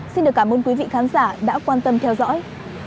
xin được cảm ơn quý vị khán giả đã quan tâm theo dõi